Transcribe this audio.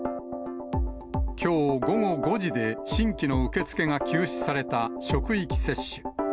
きょう午後５時で、新規の受け付けが休止された職域接種。